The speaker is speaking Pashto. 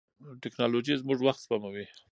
ټیکنالوژي زموږ وخت سپموي.